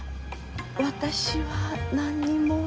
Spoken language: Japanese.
私は何にも。